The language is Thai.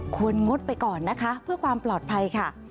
งดไปก่อนนะคะเพื่อความปลอดภัยค่ะ